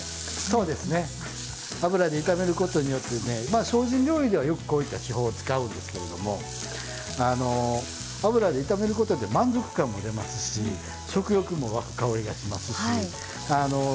そうですね油で炒めることによってねまあ精進料理ではよくこういった手法を使うんですけれどもあの油で炒めることで満足感も出ますし食欲も湧く香りがしますしあの何て言うんでしょう